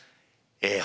え